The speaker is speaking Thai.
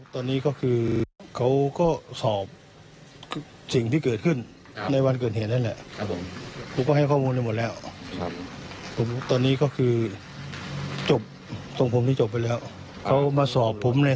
ตอนแรกตอนแรกที่พี่ทวีออกมาให้ข้อมูล